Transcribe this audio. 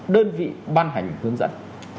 đơn vị ban hành hướng dẫn